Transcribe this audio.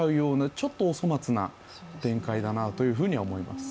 ちょっとお粗末な展開だなと思います。